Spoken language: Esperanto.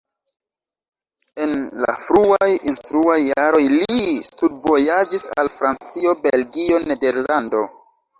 En la fruaj instruaj jaroj li studvojaĝis al Francio, Belgio, Nederlando.